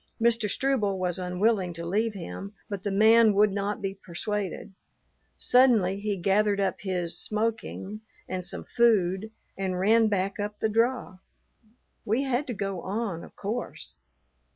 Mr. Struble was unwilling to leave him, but the man would not be persuaded. Suddenly he gathered up his "smoking" and some food and ran back up the draw. We had to go on, of course.